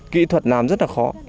kỹ thuật làm rất là khó